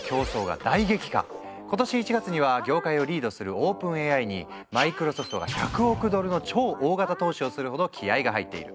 今年１月には業界をリードするＯｐｅｎＡＩにＭｉｃｒｏｓｏｆｔが１００億ドルの超大型投資をするほど気合いが入っている。